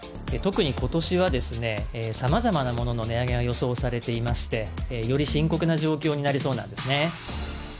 特にことしはですね、さまざまなものの値上げが予想されていまして、より深刻な状況になりそうなんですね。